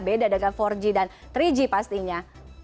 beda dengan empat g dan tiga g pastinya